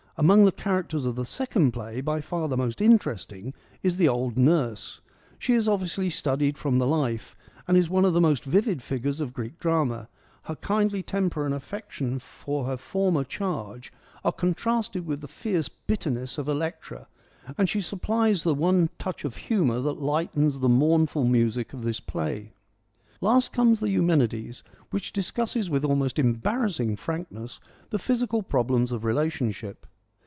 Among the char acters of the second play, by far the most interesting is the old Nurse. She is obviously studied from the life, and is one of the most vivid figures of Greek Drama : her kindly temper and affection for her for AESCHYLUS AND SOPHOCLES 77 mer charge are contrasted with the fierce bitterness of Electra, and she supplies the one touch of humour that lightens the mournful music of this play. Last comes the Eumenides, which discusses with almost embarrassing frankness the physical problems of relationship.